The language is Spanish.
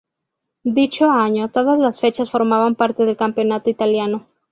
Dicho año, todas las fechas formaban parte del campeonato italiano.